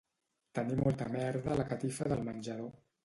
Tenir molta merda a la catifa del menjador